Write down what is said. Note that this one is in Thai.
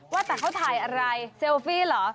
ว่าแต่เขาถ่ายอะไรเซลฟี่เหรอ